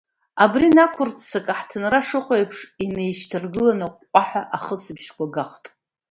Абри инақәырццак аҳҭынра шыҟоу еиԥш, инеишьҭаргыланы аҟәҟәаҳәа ахысбыжьқәа гахт.